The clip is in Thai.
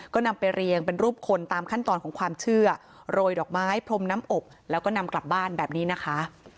ก็นำไปเรียงเป็นรูปคนตามขั้นตอนของความเชื่อโรยดอกไม้พรมน้ำอกแล้วก็นำกลับบ้านแบบนี้นะคะ